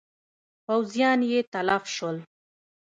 پوځیان یې تلف شول.